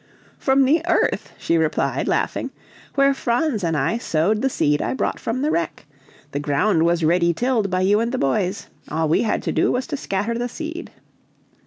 "From the earth," she replied laughing, "where Franz and I sowed the seed I brought from the wreck. The ground was ready tilled by you and the boys; all we had to do was to scatter the seed."